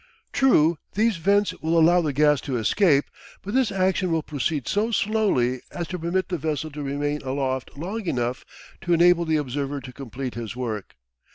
True, these vents will allow the gas to escape, but this action will proceed so slowly as to permit the vessel to remain aloft long enough to enable the observer to complete his work.